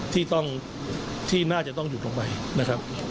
ที่ต้องที่น่าจะต้องหยุดลงไปนะครับ